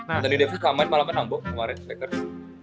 anthony davis gak main malah menambok kemarin lakers